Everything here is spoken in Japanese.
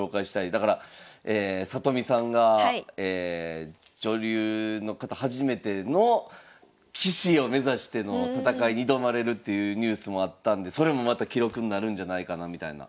だから里見さんが女流の方初めての棋士を目指しての戦いに挑まれるっていうニュースもあったんでそれもまた記録になるんじゃないかなみたいな。